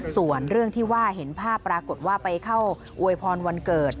ส่วนเรื่องที่ว่าเห็นภาพปรากฏว่าไปเข้าอวยพรวันเกิด